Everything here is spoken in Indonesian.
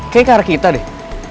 kayaknya ke arah kita deh